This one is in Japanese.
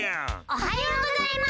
おはようございます。